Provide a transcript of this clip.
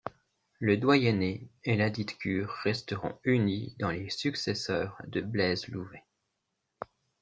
Le doyenné et ladite cure resteront unis dans les successeurs de Blaise Louvet.